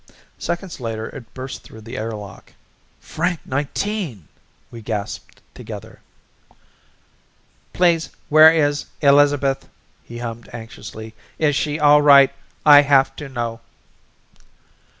Seconds later it burst through the airlock. "Frank Nineteen!" we gasped together. "Please, where is Elizabeth?" he hummed anxiously. "Is she all right? I have to know."